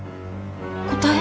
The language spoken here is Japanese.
答え？